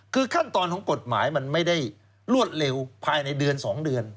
คือขั้นตอนของกฎหมายมันไม่ได้รวดเร็วภายในเดือน๒เดือน